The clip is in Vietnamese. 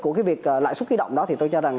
của cái việc lãi suất huy động đó thì tôi cho rằng